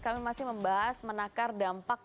kami masih membahas menakar dampak